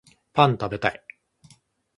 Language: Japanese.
パン食べたい